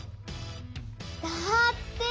だって！